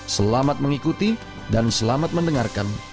selamat mengikuti dan selamat mendengarkan